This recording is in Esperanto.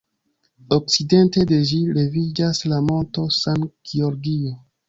Okcidente de ĝi leviĝas la Monto San Giorgio.